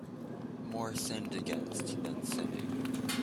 More sinned against than sinning